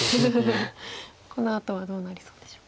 このあとはどうなりそうでしょう。